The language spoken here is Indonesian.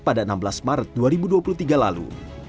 pada enam belas maret dua ribu dua puluh tiga lalu